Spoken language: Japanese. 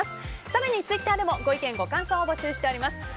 更にツイッターでもご意見、ご感想を募集しています。